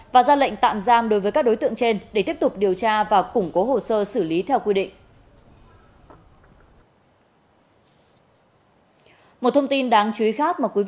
và ra lệnh tạm giam đối với các đối tượng trên để tiếp tục điều tra và củng cố hồ sơ xử lý theo quy định